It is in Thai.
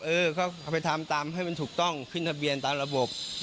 เออก็เอาไปทำตามให้มันถูกต้องขึ้นทะเบียนตามระบบ